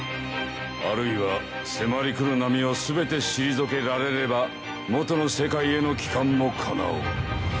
あるいは迫り来る波を全て退けられれば元の世界への帰還もかなおう。